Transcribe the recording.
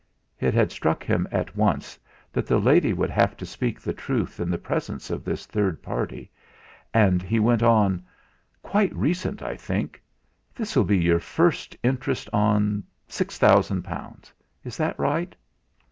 It had struck him at once that the lady would have to speak the truth in the presence of this third party, and he went on: "Quite recent, I think. This'll be your first interest on six thousand pounds? Is that right?"